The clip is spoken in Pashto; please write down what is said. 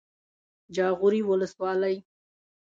جاغوري ولسوالۍ